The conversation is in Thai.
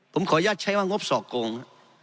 ผมขอยัดใช้ว่างบสอกลง